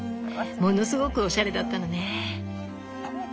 ものすごくおしゃれだったのね。